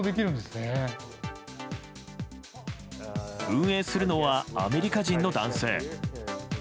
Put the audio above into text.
運営するのはアメリカ人の男性。